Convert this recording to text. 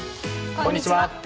こんにちは。